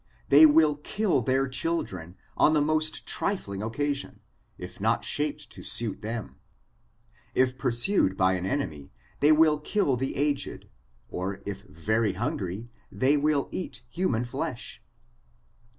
They will kill their children on the most trifling occasion, if not shaped to suit them. If pur sued by an enemy, they will kill the aged: or if very hungry, they will eat human flesh.